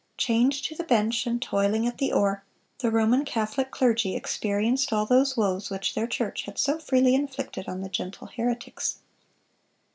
Chained to the bench and toiling at the oar, the Roman Catholic clergy experienced all those woes which their church had so freely inflicted on the gentle heretics."